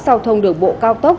giao thông đường bộ cao tốc